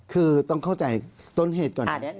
คือต้องเข้าใจต้นเหตุก่อน